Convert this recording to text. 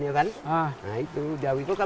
jawi itu lebih lemak